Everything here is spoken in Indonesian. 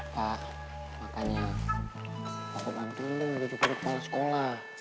pak makanya aku bantu mending bujuk kepala sekolah